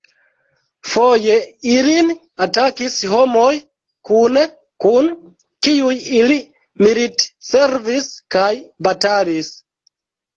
Foje ilin atakis homoj, kune kun kiuj ili militservis kaj batalis.